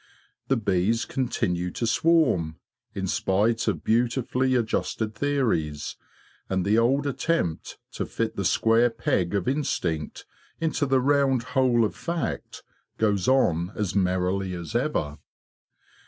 The bees continue to swarm, in spite of beautifully adjusted theories; and the old attempt to fit the square peg ot instinct 132 THE STORY OF THE SWARM 133 into the round hole of fact goes on as merrily as ever.